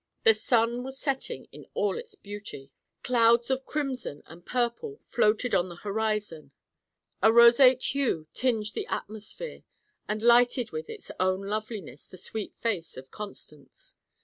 The sun was setting in all its beauty; clouds of crimson and purple floated on the horizon; a roseate hue tinged the atmosphere, and lighted with its own loveliness the sweet face of Constance.